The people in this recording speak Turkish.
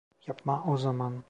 Yapma o zaman.